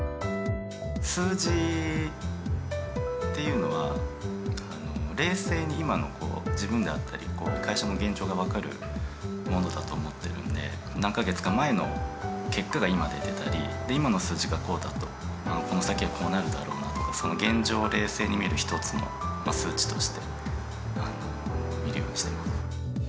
数字っていうのは冷静に今の自分であったり会社の現状が分かるものだと思ってるんで何か月か前の結果が今出てたり今の数字がこうだとこの先はこうなるだろうなとかその現状を冷静に見る１つの数値として見るようにしてます。